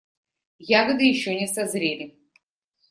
Ягоды еще не созрели.